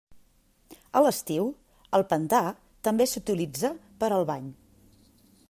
A l'estiu, el pantà també s'utilitza per al bany.